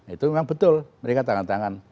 itu memang betul mereka tangan tangan